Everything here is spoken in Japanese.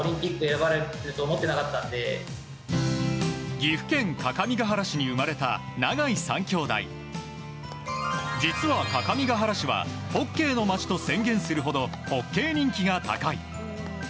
岐阜県各務原市に生まれた永井３きょうだい実は、各務原市はホッケーのまちと宣言するほどホッケー人気が高い。